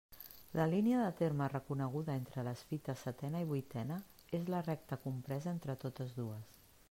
La línia de terme reconeguda entre les fites setena i vuitena és la recta compresa entre totes dues.